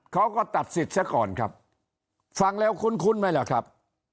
เขาก็ตัดสิทธิ์เสียก่อนครับฟังแล้วคุ้นไหมล่ะครับ